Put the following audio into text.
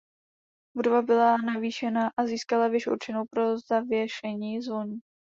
Budova byla navýšena a získala věž určenou pro zavěšení zvonů.